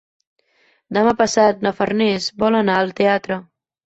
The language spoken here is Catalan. Demà passat na Farners vol anar al teatre.